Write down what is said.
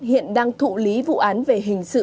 hiện đang thụ lý vụ án về hình sự